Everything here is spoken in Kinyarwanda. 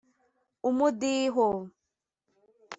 umudiho